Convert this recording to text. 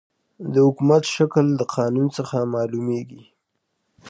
د حکومت شکل د قانون څخه معلوميږي.